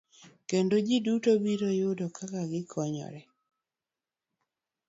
Kendo ji duto biro yudo kaka gikonyore.